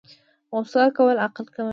غوسه کول عقل کموي